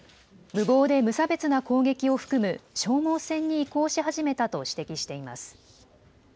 無謀で無差別な攻撃を含む消耗戦に移行し始めたと指摘しています。